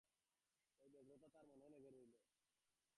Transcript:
ঐ ব্যগ্রতাটা তার মনে লেগে রইল।